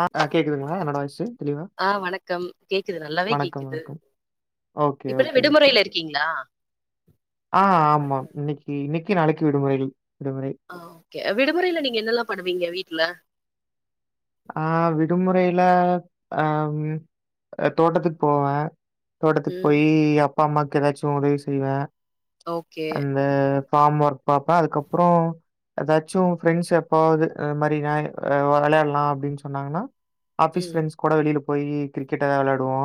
ஆ கேக்குதுங்களா என்னோட வாய்சு தெளிவா ஆ வணக்கம் கேக்குது நல்லாவே வணக்கம் கேக்குது வணக்கம் ஓகே இப்பதா ஓகே ஓகே விடுமுறையில இருக்கீங்களா? ஆ ஆமா இன்னைக்கு இன்னைக்கு நாளைக்கு விடுமுறையில் விடுமுறை ஆ ஓகே விடுமுறையில நீங்க என்னெல்லாம் பண்ணுவீங்க வீட்ல ஆ விடுமுறையில அ தோட்டத்துக்கு போவே தோட்டத்துக்கு ம். போயி அப்பா அம்மாக்கு எதாச்சு உதவி செய்வே ஓகே இந்த ஃபார்ம் ஒர்க் பாப்பே அதுக்கப்றம் ஏதாச்சு ஃப்ரெண்ட்ஸ் எப்பாவது அ மாரி நா வெளயாட்லா அப்டின்னு சொன்னாங்கன்னா ஆபிஸ் ம். ஃப்ரண்ட்ஸ் கூட வெளிய போய் கிரிக்கெட் எத விளாடுவோ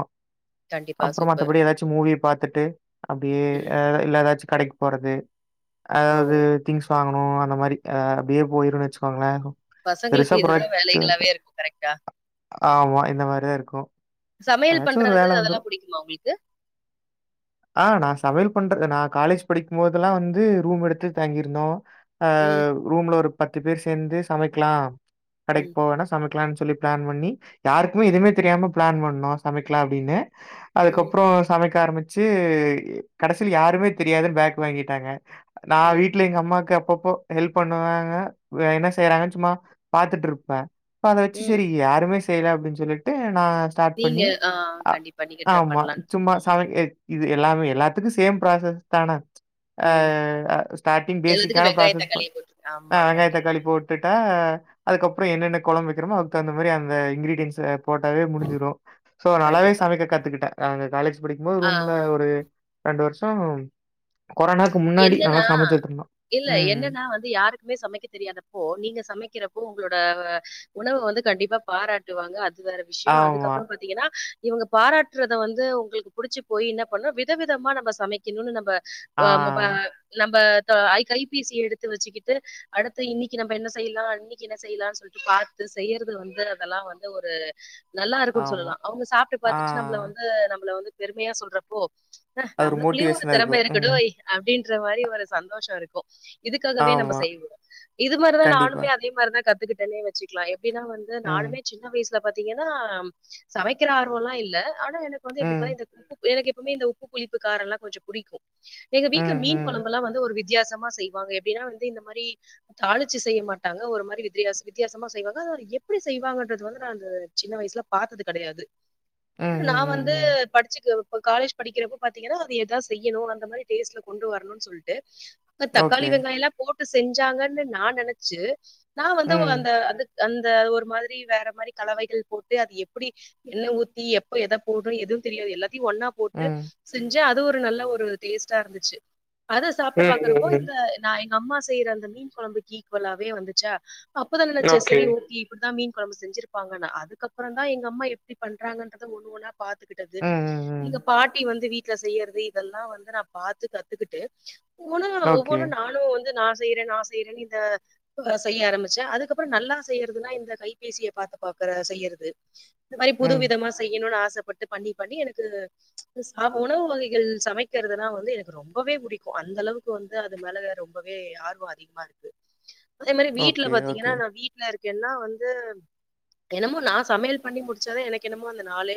கண்டிப்பா அப்றோ சூப்பர். மத்தபடி ஏதாச்சு மூவிய பாத்துட்டு அப்டியே ம். இல்ல ஏதாச்சு கடைக் போறது ஓ! ஏதாவது திங்ஸ் வாங்கணு அந்த மாரி் அப்டியே போயிருன்னு வச்சுக்கோங்ளே பசங்களுக்கு இதுதா வேலைகளாவே இருக்கு கரெக்ட்டா ஆமா இந்த மாரிதா இருக்கு சமையல் ஏதாச்சு ஒரு பண்றது வேல வந்துரு அதெல்லா பிடிக்குமா உங்களுக்கு ஆ நா சமையல் பண்றது நா காலேஜ் படிக்கும் போதெல்லா வந்து ரூம் எடுத்து தாங்கியிருந்தோ அ ம். ஹ ரூம்ல ஒரு பத்து பேர் சேந்து சமைக்கலா கடைக் ம். போவேன்னா சமைக்கலாம்னு சொல்லி பிளான் பண்ணி யாருக்குமே ம். எதுவுமே தெரியாம பிளான் பண்ணோ சமைக்கலா அப்டின்னு ம். அதுக்கப்றோ சமைக்க ஆரம்பிச்சு கடைசில யாருமே தெரியாதுன்னு பேக் வாங்கிட்டாங்க நா ம். வீட்ல எங்க அம்மாவுக்கு அப்பப்போ ஹெல்ப் பண்ணுவேங்க என்ன செய்யறாங்கன்னு சும்மா பாத்துட்டு இருப்பே அத வச்சு ம். செரி யாருமே செய்யல அப்டின்னு சொல்லிட்டு நா ஸ்டார்ட் நீங்க பண்ணி ஆ அ கண்டிப்பா நீங்க ட்ரை ஆமா பண்ணலான்ட்டு. சும்மா சமை ம். க் இது எல்லாமே எல்லாத்துக்கு சேம் ப்ராசஸ் தான ஆ ம். ஸ்டாடிங் எல்லாத்துக்கும் பேசிக்கான வெங்காயம், ப்ராசஸ் தக்காளிய போட்டு ஆ ஆமா வெங்காய கண்டிப்பா, தக்காளி போட் டுட்டா அதுக்கப்றோ என்னென்ன குழம் வைக்கிறமோ அதுக் தகுந்த மாரி அந்த இங்கிரீடியன்ஸ் போட்டாவே முடிஞ்சிரு சோ நல்லாவே கண்டிப்பா. சமைக்க கத்துக்கிட்டே அங்க காலேஜ் படிக்கும் போது ஆ ரூம்ல ஒரு ரெண்டு வர்ஷோ கொரோனாக்கு முன்னாடி நல்லா சமைச்சுட்டு இருந்தோ ம் ம் ஆனா வந்து யாருக் குமே சமைக்க தெரியாதப்போ நீங்க சமைக்கிறப்போ உங்களோட வ உணவ வந்து கண்டிப்பா பாராட்டுவாங்க அத் அது வேற விஷ்யோ ஆமா. அதுக்கப்றோ பாத்தீங்கன்னா இவங்க பாராட்டுறத வந்து உங்களுக்கு புடிச்சு போய் என்ன பண்ணு வித விதமா நம்ம சமைக் கினுனு நம்ம ஆ. மொப நம்ம தொ ஐ கைபேசிய எடுத்து வச்சுக்கிட்டு அடுத்து இன்னைக்கி நம்ம என்ன செய்யலா இன்னைக்கி என்ன செய்யலானு சொல்ட்டு பாத்து செய்யறது வந்து அதெல்லா வந்து ஒரு நல்லா இருக்குன்னு ஆமா. சொல்லலா அவுங்க சாப்ட்டு ஆ. பாத்துட்டு நம்மள வந்து நம்மள வந்து பெருமையா சொல்றப்போ ஆ அது நம்மளுக்குள்ளயு ஒரு மோட்டிவேஷனா திறம இருக்கும். ம். இருக்குடோய் அப்டின்ற மாரி ஒரு சந்தோஷோ இருக்கு இதுக்காகவே நம்ம ஆமா. செய்யவோ இது மாரிதா கண்டிப்பா. நானுமே அதே மாரிதா கத்துக்கிட்டேனே வச்சுக்லா எப்டின்னா வந்து ம். நானுமே சின்ன வயசுல பாத்தீங்கன்னா சமைக்கிற ஆர்வல்லா இல்ல ஆனா எனக்கு வந்து எப்ப ம். பாத்தா இந்த உப்பு எனக்கு எப்பவுமே இந்த உப்பு புளிப்பு காரல்லா கொஞ்சோ புடிக்கு எங்க வீட்ல ம். மீன் ம். கொழம்பெல்லா வந்து ஒரு வித்தியாசமா செய்வாங்க எப்டின்னா வந்து இந்த மாரி தாளிச்சு செய்ய மாட்டாங்க ஒரு மாரி வித்தியாச வித்தியாசமா செய்வாங்க அத எப்டி செய்வாங்கன்றது வந்து நா இந்த சின்ன வயசுல பாத்தது கெடையாது ம், நா ம், வந்து ம், படிச்சுக்க இப்ப காலேஜ் படிக்கிறப்போ பாத்தீங்கன்னா அது எதேதா செய்யணு அந்த மாரி டேஸ்ட்ல கொண்டு வர்ணனு சொல்ட்டு அங்க ம். ஓகே. தக்காளி வெங்காயல்லா போட் டு செஞ்சாங்கன்னு நா நெனச்சு நா வந்து ம், அந்த அது அந்த ஒரு மாரி வேற மாரி கலவைகள் போட்டு அது எப்டி எண்ண ஊத்தி எப்ப எத போடுனு எதுவு தெரியாது எல்லத்தையு ஒன்னா போட்டு ம். செஞ்ச அது ஒரு நல்ல ஒரு டேஸ்டா இருந்துச்சு அத சாப்ட்டு ம், பாக்குறப்போ ம், ம். இந்த நா எங்க அம்மா செய்யற அந்த மீன் கொழம்புக்கு ஈக்குவலாவே வந்துச்சா அப்பதா நெனச்சே செரி ஓகே இப்டிதா மீன் கொழம்பு செஞ்சிருப் பாங்கன்ன அதுக்கப்பறந்தா எங்க அம்மா எப்டி பண்றாங்கன்றது ஒண்ணு ஒண்ணா பாத்துக்கிட்டது ம், ம், இங்க ம். பாட்டி வந்து வீட்ல செய்யறது இதெல்லா வந்து நாப் பாத்து கத்துக்கிட்டு [unintelligible] ஓகே. ஒவ்வொன்னு நானு வந்து நா செய்றே நா செய்றேன்னு இந்த செய்ய ஆரம்பிச்சே அதுக்கப்புறோ நல்லா செய்யறதுன்னா இந்த கைபேசிய பாத்து பாக்குற செய்யறது இது மாரி புது ம். விதமா செ செய்யணுனு ஆசப்பட்டு பண்ணி பண்ணி எனக்கு சாஉணவு வகைகள் சமைக்கிறதுல்லா வந் வந்து எனக்கு ரொம்பவே புடிக்கு அந்த அளவுக்கு வந்து அது மேல ரொம்பவே ஆர்வோ அதிகமா இருக்கு அதே மாரி வீட்டுல ஓகே, பாத்தீங்கன்னா ஓகே. நா வீட்ல இருக்கேன்னா வந்து என்னமோ நா சமையல் பண்ணி முடிச்சாதா எனக்கு என்னமோ அந்த நாலே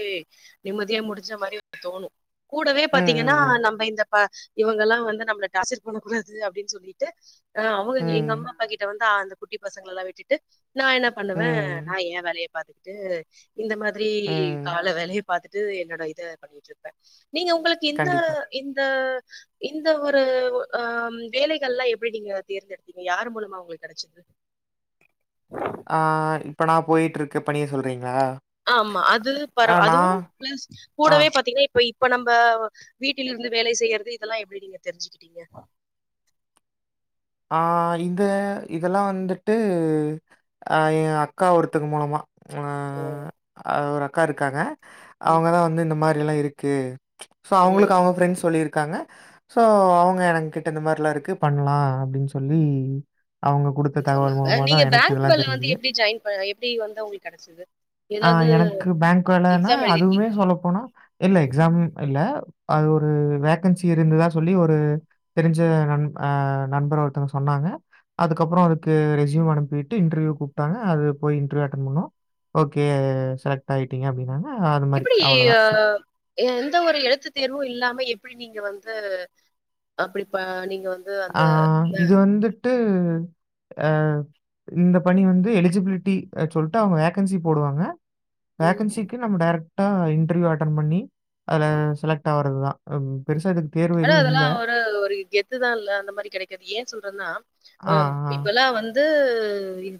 நிம்மதியா முடிஞ்ச மாரி இருக் தோணு கூடவே ம், பாத்தீங்கன்னா ம், நம்ம இந்த ப்ப இவங்கல்லா வந்து நம்மள டாசர் பண்ண கூடாது அப்டின் சொல்லிட்டு ஆ அவங்க எங்க ம். அம்மா அப்பா கிட்ட வந்து அந்த குட்டி பசங்கள ல்லா விட்டுட்டு நா என்ன ம், பண்ணுவே நா ம், ஏ வேலைய பாத்துக்கிட்டு இந்த மாதிரி ம். கால வேலைய பாத்துட்டு என்னோட இத பண்ணிட்டு இருப்பே நீங்க உங்களுக்கு இந்த கண்டிப்பா. இந்த இந்த ஒரு ஆ வ் வேலைகள்ல்லா எப்டி நீங்க தேர்ந்தெடுத்தீங்க யார் மூலமா அவங்களுக்கு கிடச்சது ஆ ஆ இப்ப நா போயட்டுருக்க பணிய சொல்றீங்களா ஆமா அது பர ஆ அதுவு நான் பிளஸ் ஆ கூடவே பாத்தீங்கனா இப்ப இப்ப நம்ப வீட்டிலிருந்து வேலை செய்யறது இதெல்லா எப்டி நீங்க தெரிஞ்சுக்கிட்டீங்க ஆ இது இதெல்லா வந்துட்டு எ அக்கா ஒருத்துக்கு மூலமா ஓ! ம் ஆ ஒரு அக்கா இருக்காங்க ம். அவங்க தா வந்து இந்த மாரிலா இருக்கு சோ அவ்ங்களுக்கு ம். அவ்ங்க ஃப்ரெண்ட்ஸ் சொல்லியிருக்காங்க சோ அவ்ங்க என கிட்ட இந்த மாரில்லா இருக்கு பண்லா அப்டின் சொல்லி அவ்ங்க சொன்னாங்க நீங்க பேங்க் வேல வந்து எப்டி ஜாயின் பண்ண எப்டி வந்து உங்களுக்கு கிடச்சிது ஆ எனக்கு பேங்க் வேலன்னா அதுவுமே எழுதியிருக்கீங்களா? சொல்ல போன. இல்ல எக்ஸாம் இல்ல அது ஒரு வேக்கன்சி இருந்ததா சொல்லி ஒரு தெரிஞ்ச நன் அ நண்பர் ஒருத்தவங்க சொன்னாங்க. அதுக்கப்புறோ அதுக்கு ரெஜியூம் அனுப்பிட்டு இன்டர்வியூ கூப்ட்டாங்க. அது போய் இன்டர்வியூ அட்டண் பண்ணோ ஓகே செலக்ட் ஆயிட்டீங்க அப்டின்னாங்க. அது மாரி எப்டி ஈ அவ்வளோதான். ஆ சு எந்த ஒரு எழுத்து தேர்வு இல்லாம எப்டி நீங்க வந்து அப்படிப்ப நீங்க வந் ஆ இது வந்துட்டு ஆ இந்த பணி வந்து எலிஜிபிலிட்டி சொல்ட்டு அவ்ங்க வேகன்சி போடுவாங்க. ம். வேகன்சிக்கு நம்ம டேரக்டா இன்டர்வியூ அட்டன் பண்ணி அதுல செலக்ட் ஆவறது தா பெருசா இதுக்கு தேர்வு எதுவு இல்ல. இதுதா இல்ல அந்த மாரி கெடைக்காது ஏ சொல்றன்னா ஆ, ஆ. இப்பெல்லா வந் ந்து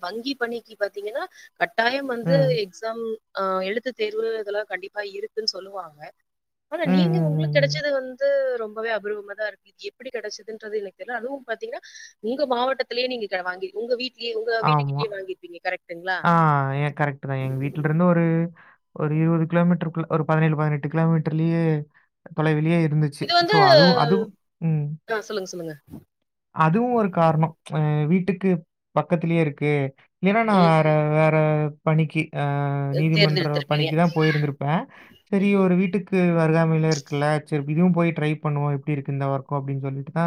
வங்கி பணிக்கு பாத்தீங்கன்னா கட்டாயம் வந்து ம். எக்ஸாம் ஆ எழுத்து தேர்வு இதெல்லா கண்டிப்பா இருக்குன் சொல்லுவாங்க ஆனா ம், நீங்க ம், உங்களுக்கு ம், கிட ம். வந்து ரொம்பவே அபூர்வம தா இருக்கு இது எப்டி கிடச்சதுன்றது எனக்கு தெரில அதுவு பாத்தீங்னா உங்க மாவட்டத்திலேயே நீங்க க வாங்கி உங்க வீட் ங்கே உங்க வீட்டு ஆமா. கிட்டயே வாங்கிருப்பீங்க கரெக்டுங்களா என்ன ஒரு ஒரு இருவது கிலோமீட்டருக்குள ஒரு பதினேழு பதினெட்டு கிலோமீட்டர்லயே தொலைவிலே இருந்துச்சு இது ச்சு சோ வந்து அதுவு அது ம். ஆ சொல்லுங்க சொல்லுங்க அதுவு ஒரு காரணோ ச் ஆ வீட்டுக்கு பக்கத்திலயே இருக்கு இல்லேன்னா நா ம் ஆ வேற பணிக்கு ஆ நீதிமன்றோ தேர்ந்தெடுத்திருப்பீங்க பணிக்கு தா போயி ருந்திருப்ப சரி ம் ஒரு வீட்டுக் க்கு வருகாமயில இருக்குல்ல சரி இதுவு போய் ட்ரை பண்ணுவோ இப்டி இருக்கு இந்த வர்க்கு அப்டின் சொல்லிட்டு தா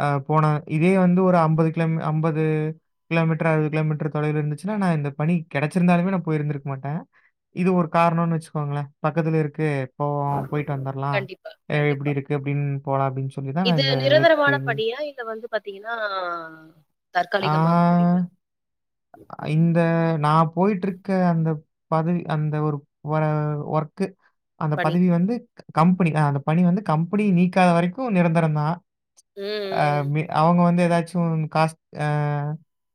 அ போனா இதே வந்து ஒரு அம்பது கிலோ அம்பது கிலோமீட்டர் அருவது கிலோமீட்டர் தொலைவுல இருந்துச்சுன்னா நா இந்த பணி கெடச்சிருந்தாலுமே நா போயிருக்க மாட்டே இது ஒரு காரனோனு வச்சுக்கோங்களே பக்கத்துல இருக்கு இப்போ போயிட்டு வந்தர்லாம் கண்டிப்பா கண்டிப்பா எப்டி இருக்கு அப்டின்னு போலாம் அப்டின்னு சொல்லிதா நா இந்த இதுக்கு நிரந்தரமான பணியா இது வந்து பாத்தீங்கன்னா தற்காலிகமாக கூடிய ஆ. இந்த நா போயிட்டிருக்க அந்த பதவி அந்த ஒரு ஒர்க்கு அந்த பணி. பதவி வந்து கம்பனி ஆ அந்த பணி வந்து கம்பனி நீக்காத வரைக்கு நிரந்தரம் தா ஆ ம், அவங்க வந்து ஏதாச்சும் காஸ் ஆ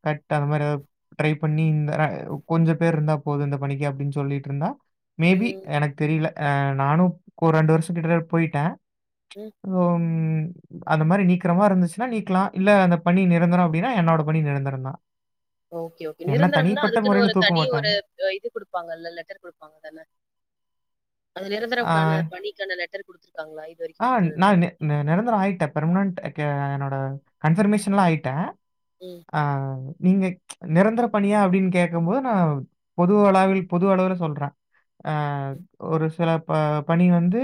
கட் அந்த மாரி ஏதாது ட்ரை பண்ணி இந்த கொஞ்ச பேர் இருந்தா போது இந்த பணிக்கு அப்டின்னு சொல்லிட்டு இருந்தா ம், மேபி ம், எனக்கு தெரில ஆ நானும் ஒரு ரெண்டு வருஷம் கிட்டத்தட்ட போயிட்ட ம். அம் அந்த மாரி நிக்கறமாருந்துச்சினா நீக்கலா இல்ல அந்த பணி நிரந்தரம் அப்டின்னா என்னோட பணி நிரந்தரம்தா ஓகே ஓகே நிரந்தரம்னா அதுக்குன்னு முறையில ஒரு தூக்க தனி ஒரு மாட்டாங்க. இது கொடுப்பாங்கல்ல லெட்டர் கொடுப்பாங்க தானே அந்த ஆ நிரந்தரம்கான பணி காண லெட்டர் குடுத்துருக்காங்களா இது ஆ வரைக்கும் குடுத்தது இல்ல. நானு நிரந்தரம் ஆயிட்ட பெர்மனன்ட் அ க என்னோட கன்பர்மேஷன்லாம் ஆயிட்ட ம் ஆ நீங்க நிரந்தர பணியா அப்டின்னு கேக்கம்போது நா பொது அளவில் பொது அளவுல சொல்ற ஆ ஒரு சில ப பணி வந்து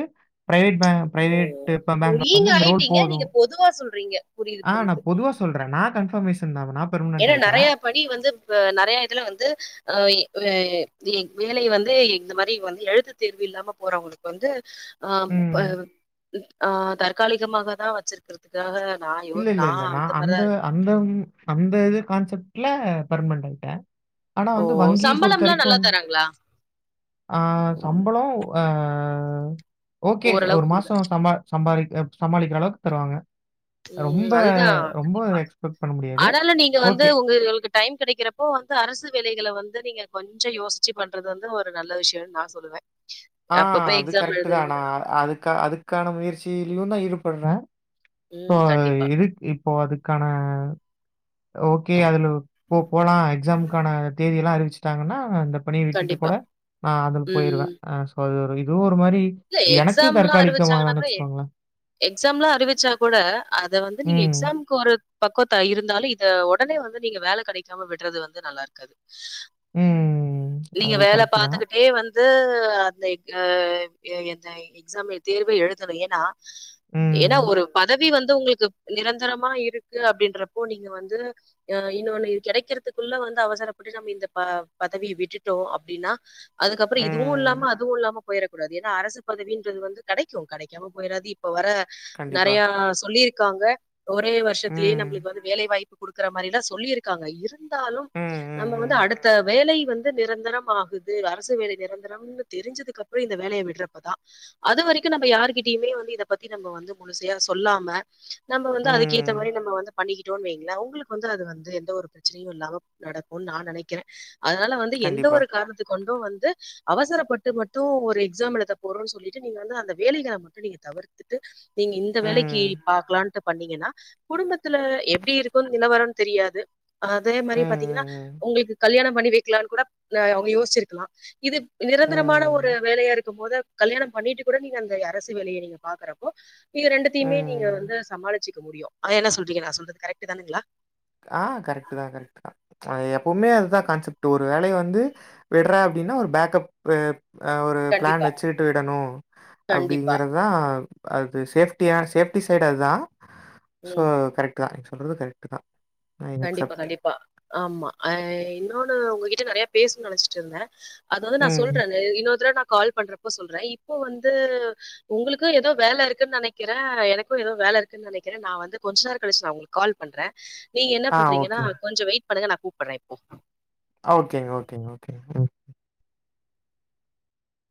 பிரைவேட் பேங்க் ஓ! பிரைவேட் ஓ பேங்க்ல நீங்க வந்து இந்த ரோல் ஆயிட்டீங்க. நீங்க போதும் பொதுவா சொல்றீங்க. புரியுது, ஆ நா புரியுது. பொதுவா ம். சொல்ற சொல்றேன் நா கன்பர்மேஷன் தா நா ஏன்னா நறைய பணி வந்து நறைய இதுல வந்து வேலை வந்து இந்த மாரி வந்து எழுத்து தேர்வு இல்லாம போறவங்களுக்கு வந்து ஆ ப ம். ஆ தற்காலிகமாக தா வச்சிருக்கறது அதுக்காக நா யோ நான் அந்த மாரிதா இருக்க தம் அந்த இது கான்செப்ட்ல பர்மனன்ட் ஆயிட்ட ஆனா ஓ வந்து வங்கிய பொறுத்த சம்பளம்லாம் வரைக்கு நல்லா வந்து தராங்களா ஆ சம்பளம் அ ஓகே ஒரு ஓரளவுக்கு மாசம் குடுக்குறேன் சம்ப சம்பாரிக்க சமாளிக்கற அளவுக்கு தருவாங்க ம் ரொம்ப அதுதா ரொம்ப எக்ஸ்பெக்ட் பண்ண முடியாது. ஆனாலும் நீங்க வந்து ஓகே. உங்க டைம் கடைக்கிறப்போ வந்து அரசு வேலைைகள வந்து நீங்க கொஞ்ச யோசிச்சு பண்றது வந்து ஒரு நல்ல விஷயன்னு நா சொல்லுவே [inaudible] ஆ அது கரெக்ட் தா ஆனா பண் அதுக்க அதுக்கான முயற்சியிலயும் தா ஈடுபடற இப்போ ம் கண்டிப்பா இருக்கு இப்போ அதுக்கான ஓகே அதுல போ போலாம் எக்ஸாமுக்கான தேதி எல்லா அறிவிச்சட்டாங்கன்னா இந்த பனிய விட்டுட்டு கண்டிப்பா கூட நா அதுல ம் போயிருவேன் ஆ சோ அது ஒரு இதுவும் ஒரு மாரி இல்ல எனக்கு எக்ஸாம்லாம் அறிவிச்சாங்கன்னா தர்க்காலிகமாகன்னு கூட வச்சுக்கோங்கள எக்ஸாம்லாம் அறிவிச்சா கூட அத வந்து நீங்க ம், எக்ஸாம்க்கு ஒரு பக்கவத்தா இருந்தாலும் இத ஒடனே வந்து நீங்க வேல கடைக்காம விடறது வந்து நல்லா இருக்காது ம். நீங்க அது வேல கரெக்ட் தான். பாத்துக்கிட்டே வந்து வந்து அந்த எந்த எக்ஸாம தேர்வு எழுதணு ஏன்னா ஏன்னா ம். ஒரு பத வி வந்து உங்களுக்கு நிரந்தரமா இருக்கு அப்டின்றப்போ நீங்க வந்து அ இன்னொன்னு இது கிடைக்கிறதுக்குள்ள வந்து அவசரப்பட்டு நம்ம இந்த ப பதவிய விட்டுட்டோ அப்டின்னா அதுக்கப்றோ இதுவு ம். இல்லாம அதுவு இல்லாம போய்ரக்கூடாது ஏன்னா அரசு பதவின்றது வந்து கடைக்கு கடைக்காம போய்றாது இப்ப வர கண்டிப்பா. நெறைய சொல்லிரு காங்க ஒரே வருஷத்லே ம். நம்மளுக்கு வந்து வேலைாய்ப்பு குடுக்குற மாரிலா சொல்லிரு காங்க இருந்தாலு ம், நம்ப ம், வந்து ம். அடுத்த வேலை வந் நிரந்தரம் ஆகுது அரசு வேலை நிரந்தரம்னு தெரிஞ்சதுக்கு அப்றோ இந்த வேலைய விட்றப்பதா அது வரைக்கு நம்ம யாருகிட்டயுமே வந்து இத பத்தி நம்ம வந்து முழுசையா சொல்லாம நம்ம வந்து அதுக்கே இந்த ம். மாரி நம்ம வந்து பண்ணிக்கிட்டோனு வைங்களா உங்களுக்கு வந்து அது வந்து எந்த ஒரு பிரச்சனையு இல்லாம நடக்குனு நா நெனைக்கிற அதனால வந்து எந்த கண்டிப்பா. ஒரு காரணத்த கொண்டு வந்து அவசரப்பட்டு மட்டு ஒ எக்ஸாம் எழத போறோன்னு சொல்லிட்டு நீங்க வந்து அந்த வேலைகளை மட்டு நீங்க தவிர்த்துட்டு நீங்க இந்த வேலைக்கு ம். பாக்லான் பண்ணீங்கன்னா குடும்பத்துல எப்டி இருக்குன் நிலவரோ தெரியாது அதே மாரி ம், பாத்தீங்கன்னா ம், ம். உங்களுக்கு கல்யாணம் பண்ணி வெக்லானு கூட அ அவங்க யோசிச்சிருக்கலா இது நிரந்தரமான ஒரு ம். வேலையா இருக்கும் போது கல்யாணம் பண்ணிட்டு கூட நீங்க அந்த அரசு வேலைய நீங்க பாக்குறப்போ இது ரெண்டுத்தையுமே நீங்க ம். வந்து சமாளிச்சிக்க முடியு அ என்ன சொல்றீங்க நா சொல்றது கரெக்ட் தானுங்களா ஆ கரெக்ட் தா கரெக்ட் தா எப்பவுமே அதுதா கான்சப்ட்டு ஒரு வேலைய வந்து விட்ற அப்டின்னா ஒரு பேக்கப் அ ஒரு பிளான் கண்டிப்பா வச்சுட்டு விடணு கண்டிப்பா அப்டிங்கறதா அது சேப்டியான சேப்டி சைடு அதுதா ஸோ ம் கரெக்ட் தா நீங்க சொல்றது கரெக்ட் தா கண்டிப்பா கண்டிப்பா ஆமா ஆ இன்னொன்னு உங்ககிட்ட நெறைய பேசுன்னு நெனைச்சிட்டு இருந்த அது வந்து நா ம். சொல்ற இன்னொரு தட நா கால் பண்றப்ப சொல்ற இப்போ வந்து உங்களுக்கு எதோ வேல இருக்குன்னு நெனைக்கிறே எனக்கு ஏதோ வேல இருக்கு நெனைக்கிற நா வந்து கொஞ்ச நேரோ கழிச்சு நா உங்களுக்கு கால் பண்ற நீங்க என்ன ஆ பண்றீங்கன்னா ஓகேங்க. கொஞ்ச வெயிட் பண்ணுங்க நா கூப்பட்ற இப்போ ஓகேங்க ஓகேங்க ஓகேங்க ம்